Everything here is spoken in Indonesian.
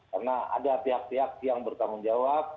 karena ada pihak pihak yang bertanggung jawab